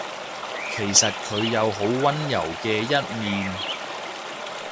其實佢有好溫柔嘅一面